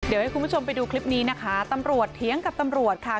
เดี๋ยวให้คุณผู้ชมไปดูคลิปนี้นะคะตำรวจเถียงกับตำรวจค่ะ